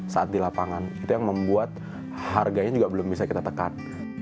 saat di lapangan itu yang membuat harganya juga belum bisa kita tekan